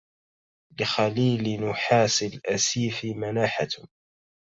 لخليل نحاس الأسيف مناحة